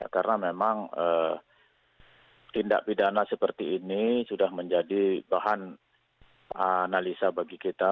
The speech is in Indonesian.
karena memang tindak pidana seperti ini sudah menjadi bahan analisa bagi kita